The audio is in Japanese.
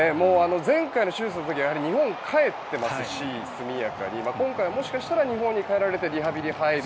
前回の手術の時は日本に速やかに帰ってますし今回もしかしたら日本に帰られてリハビリに入る。